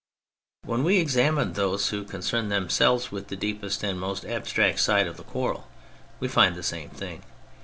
When we examine those who concern them selves with the deepest and most abstract side of the quarrel, we find the same thing.